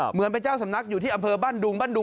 เหมือนเป็นเจ้าสำนักอยู่ที่อำเภอบ้านดุงบ้านดุง